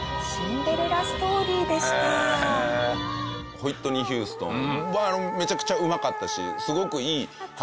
ホイットニー・ヒューストンはめちゃくちゃうまかったし。